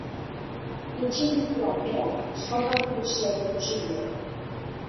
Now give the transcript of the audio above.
Itxi ditu ateak zokak krisiari eutsi dio.